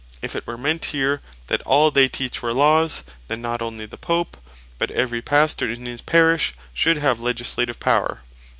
If it were meant here, that all they teach were Laws, then not onely the Pope, but every Pastor in his Parish should have Legislative Power.